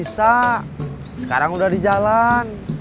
sekarang udah di jalan